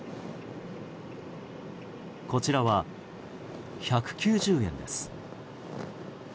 こちらは、１９０円です。